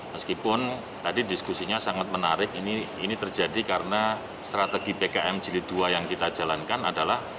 meskipun tadi diskusinya sangat menarik ini terjadi karena strategi pkm jilid dua yang kita jalankan adalah